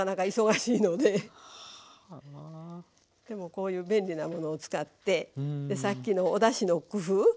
でもこういう便利なものを使ってさっきのおだしの工夫。